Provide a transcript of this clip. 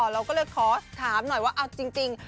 เราก็เลยขอถามหน่อยว่าเอาจริง